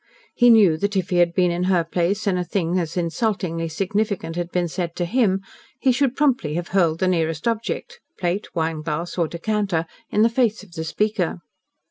He knew that if he had been in her place and a thing as insultingly significant had been said to him, he should promptly have hurled the nearest object plate, wineglass, or decanter in the face of the speaker.